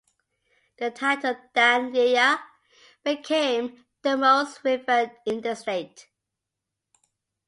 The title "Dan Iya" became the most revered in the state.